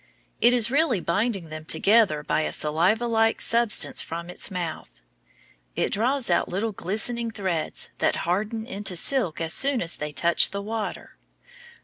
It is really binding them together by a saliva like substance from its mouth. It draws out little glistening threads that harden into silk as soon as they touch the water.